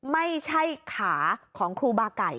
ไม่ใช่ขาของครูบาไก่